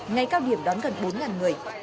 ngày cao điểm đón gần bốn người